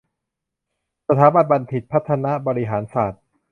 สถาบันบัณฑิตพัฒนบริหารศาสตร์